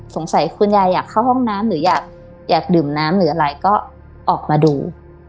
คุณยายอยากเข้าห้องน้ำหรืออยากดื่มน้ำหรืออะไรก็ออกมาดู